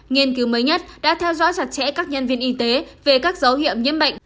nghiên cứu mới nhất đã theo dõi chặt chẽ các nhân viên y tế về các dấu hiệu nhiễm bệnh